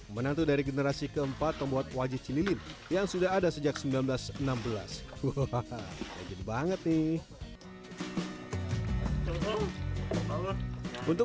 menantu dari generasi keempat pembuat wajah cililin yang sudah ada sejak seribu sembilan ratus enam belas hahaha untuk